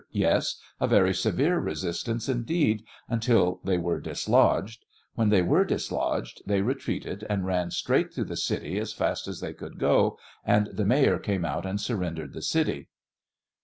Yes ; a very severe resistance, indeed, until they were dislodged; when they were dislodged they re treated and ran straight through the city as fast as they could go, and the mayor came out and surrendered the city.